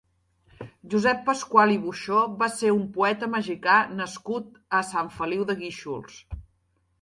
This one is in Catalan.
Josep Pascual i Buxó va ser un poeta mexicà nascut a Sant Feliu de Guíxols.